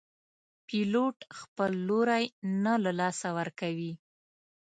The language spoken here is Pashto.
پیلوټ خپل لوری نه له لاسه ورکوي.